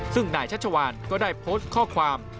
ซึ่งนายชัชวานก็ได้โพสต์ข้อความ